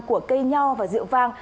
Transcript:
của cây nho và rượu vang